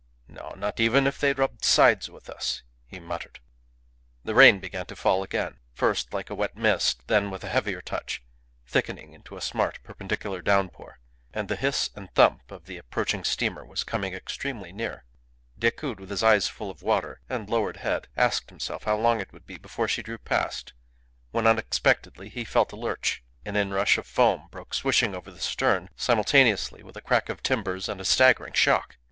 "No, not even if they rubbed sides with us," he muttered. The rain began to fall again; first like a wet mist, then with a heavier touch, thickening into a smart, perpendicular downpour; and the hiss and thump of the approaching steamer was coming extremely near. Decoud, with his eyes full of water, and lowered head, asked himself how long it would be before she drew past, when unexpectedly he felt a lurch. An inrush of foam broke swishing over the stern, simultaneously with a crack of timbers and a staggering shock.